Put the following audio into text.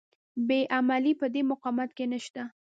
بې عملي په دې مقاومت کې نشته.